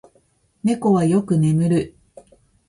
猫はよく眠る。